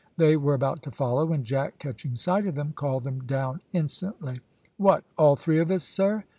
They were about to follow, when Jack, catching sight of them, called them down instantly. "What, all three of us, sir?"